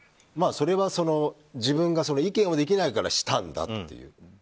それは自分が意見をできないからしたんだっていう。